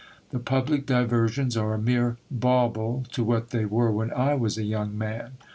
The public diversions are a mere bauble, to what they were when I was a young man.